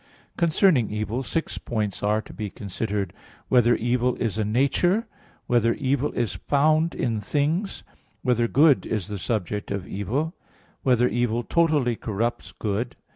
Concerning evil, six points are to be considered: (1) Whether evil is a nature? (2) Whether evil is found in things? (3) Whether good is the subject of evil? (4) Whether evil totally corrupts good?